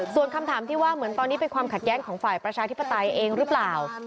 ส่วนคำถามที่ว่าเหมือนตอนนี้เป็นความขัดแย้งของฝ่ายประชาธิปไตยเองหรือเปล่า